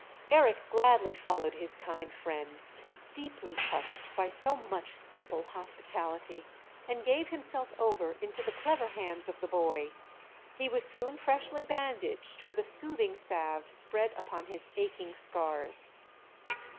Eric gladly followed his kind friend, deeply touched by so much simple hospitality, and gave himself over into the clever hands of the boy: he was soon freshly bandaged with a soothing salve spread upon his aching scars.